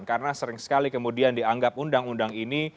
karena sering sekali kemudian dianggap undang undang ini